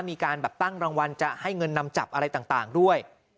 มีการแบบตั้งรางวัลจะให้เงินนำจับอะไรต่างด้วย